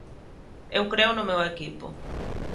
Eu creo no meu equipo.